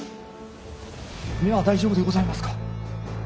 目は大丈夫でございますか？